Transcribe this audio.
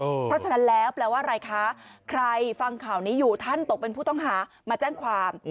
เพราะฉะนั้นแล้วแปลว่าอะไรคะใครฟังข่าวนี้อยู่ท่านตกเป็นผู้ต้องหามาแจ้งความ